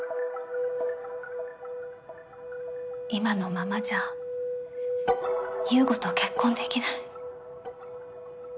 今のままじゃ優吾と結婚できない。